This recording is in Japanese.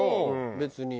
別に。